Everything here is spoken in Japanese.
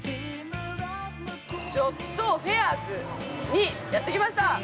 ◆ジョッド・フェアーズにやってきました。